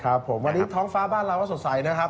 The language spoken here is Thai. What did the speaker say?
ครับผมวันนี้ท้องฟ้าบ้านเราก็สดใสนะครับ